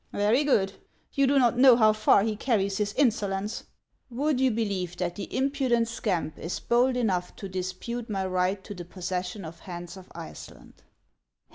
" Very good. You do not know how far he carries his insolence. Would you believe that the impudent scamp is bold enough to dispute my right to the possession of Hans of Iceland?"